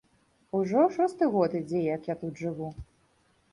Ужо шосты год ідзе, як я тут жыву.